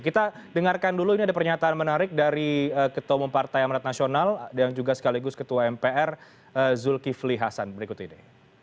kita dengarkan dulu ini ada pernyataan menarik dari ketua pempartai amarat nasional dan juga sekaligus ketua mpr zulkifli hasan berikut ide